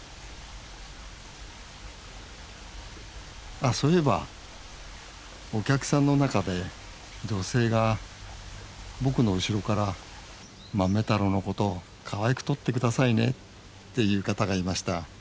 あそういえばお客さんの中で女性が僕の後ろから「まめたろうのことかわいく撮って下さいね」って言う方がいました。